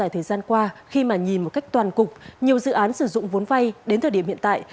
thời gian qua khi mà nhìn một cách toàn cục nhiều dự án sử dụng vốn vay đến thời điểm hiện tại